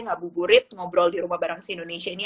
ngabu gurit ngobrol di rumah bareng si indonesia ini